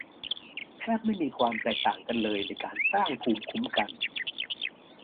แทบไม่มีความแตกต่างกันเลยในการสร้างภูมิคุ้มกัน